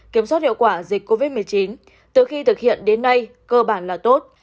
kiểm soát hiệu quả dịch covid một mươi chín từ khi thực hiện đến nay cơ bản là tốt